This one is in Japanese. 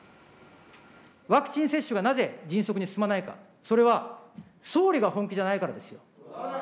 ワクチン接種がなぜ迅速に進まないか、それは総理が本気じゃないからですよ。